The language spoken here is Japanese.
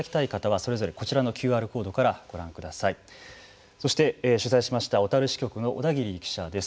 そして、取材しました小樽支局の小田切記者です。